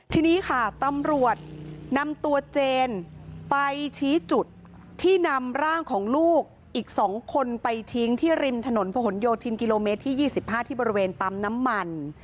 ทีนี้ค่ะตำรวจนำตัวเจนไปชี้จุดที่นำร่างของลูกอีก๒คนไปทิ้งที่ริมถนนพะหนโยธินกิโลเมตรที่๒๕ที่บริเวณปั๊มน้ำมัน